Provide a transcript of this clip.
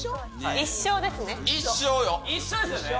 一生ですよね。